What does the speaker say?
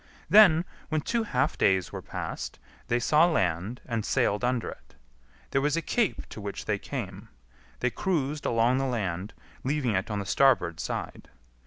Then, when two half days were passed, they saw land, and sailed under it. There was a cape to which they came. They cruised along the land, leaving it on the starboard side.